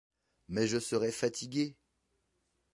Mais je serai fatiguée.